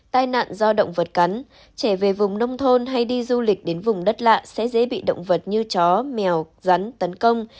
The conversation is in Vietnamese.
tai nạn do động vật cắn trẻ về vùng nông thôn hay đi du lịch đến vùng đất lạ sẽ dễ bị động vật như chó mèo rắn tấn công